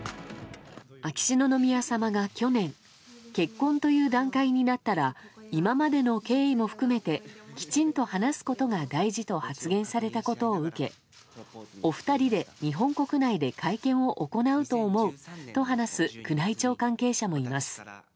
秋篠宮さまが去年、結婚という段階になったら今までの経緯も含めてきちんと話すことが大事と発言されたことを受けお二人で日本国内で会見を行うと思うと話す宮内庁関係者もいます。